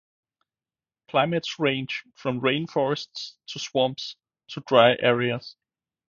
Climates range from rain forests to swamps to dry areas.